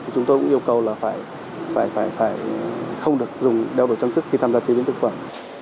chúng tôi cũng yêu cầu là phải không được dùng đeo đồ trang sức khi tham gia chế biến thực phẩm